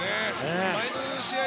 前の試合